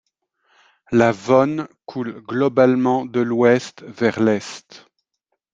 La Vonne coule globalement de l'ouest vers l'est.